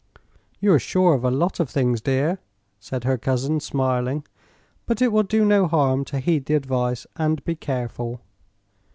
"You are sure of a lot of things, dear," said her cousin, smiling. "But it will do no harm to heed the advice, and be careful."